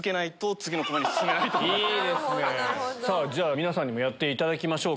皆さんにもやっていただきましょうか。